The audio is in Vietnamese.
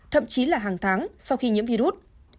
thậm chí là hàng tháng sau khi nhiễm virus